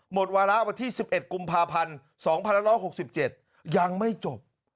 วาระวันที่๑๑กุมภาพันธ์๒๑๖๗ยังไม่จบ